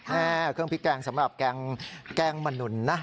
เครื่องพริกแกงสำหรับแกงมนุนนะ